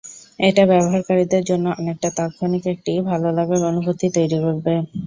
এটা ব্যবহারকারীদের জন্য অনেকটা তাৎক্ষণিক একটি ভালো লাগার অনুভূতি তৈরি করবে।